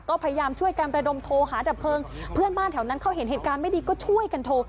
ก็พยายามช่วยการประดมโทรหาดับเพลิงเพื่อนบ้านแถวนั้นเขาเห็นเหตุการณ์ไม่ดีก็ช่วยกันโทร